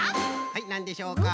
はいなんでしょうか？